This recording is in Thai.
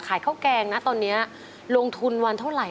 ข้าวแกงนะตอนนี้ลงทุนวันเท่าไหร่